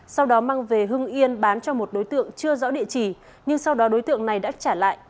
sau đó mang về hưng yên bán cho một đối tượng chưa rõ địa chỉ nhưng sau đó đối tượng này đã trả lại